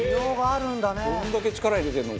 「どんだけ力入れてるの？